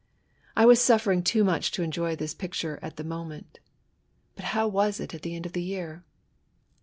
I was suffering too much to enjoy this picture at the moment : but how was it at the end of the year